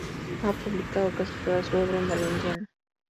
Ha publicado casi toda su obra en valenciano.